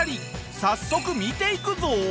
早速見ていくぞ！